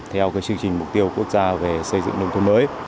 theo chương trình mục tiêu quốc gia